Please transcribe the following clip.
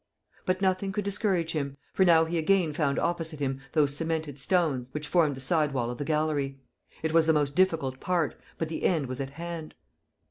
But nothing could discourage him, for now he again found opposite him those cemented stones which formed the side wall of the gallery. It was the most difficult part, but the end was at hand.